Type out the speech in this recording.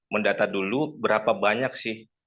mendata dulu berapa banyak sih